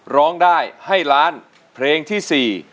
ร้องได้ให้ล้านเพลงที่๔